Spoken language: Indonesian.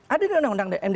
ada di undang undang md tiga